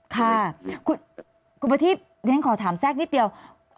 ค่ะคุณปฏีภนั้นก็ขอถามแซ็คนิดเดียว